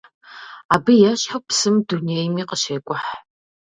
Абы ещхьу псым дунейми къыщекӀухь.